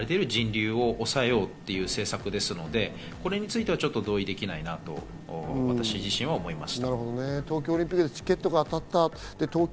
そういった意味で今行われている人流を抑えようという政策ですのでこれについてはちょっと同意できないなと、私自身は思いました。